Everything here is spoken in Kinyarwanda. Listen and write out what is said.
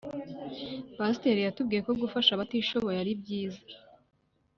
Pasiteri yatubwiyeko gufasha abatishoboye aribyiza